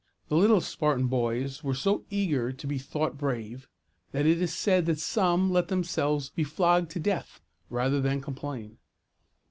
The little Spartan boys were so eager to be thought brave, that it is said that some let themselves be flogged to death rather than complain.